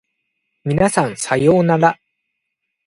皆さんさようなら